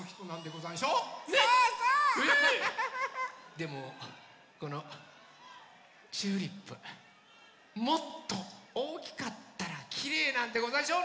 でもこのチューリップもっとおおきかったらきれいなんでござんしょうねえ！